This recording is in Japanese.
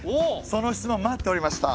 その質問待っておりました。